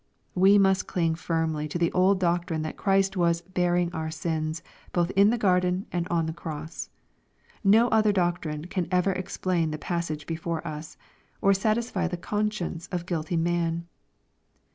We must cling firmly to the old doctrine that Christ was " bearing our sins," both in the garden and on the cross. No other doctrine can ever explain the passage before us, or satisfy the conscience of guilty man.